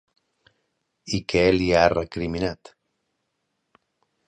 I què li ha recriminat?